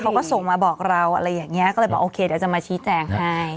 เขาก็ส่งมาบอกเราอะไรอย่างนี้ก็เลยบอกโอเคเดี๋ยวจะมาชี้แจงให้